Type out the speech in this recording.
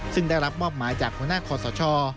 ซึ่งได้รับมอบหมายจากหัวหน้าคอสช